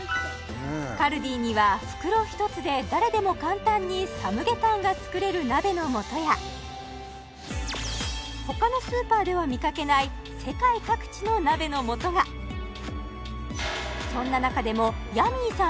カルディには袋一つで誰でも簡単にサムゲタンが作れる鍋の素や他のスーパーでは見かけない世界各地の鍋の素がそんな中でもヤミーさん